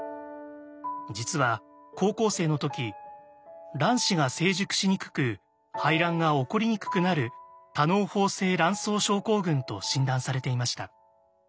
実は高校生の時卵子が成熟しにくく排卵が起こりにくくなる多嚢胞性卵巣症候群と診断されていました。